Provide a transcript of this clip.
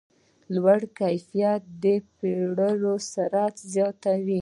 لوړ کیفیت د پلور سرعت زیاتوي.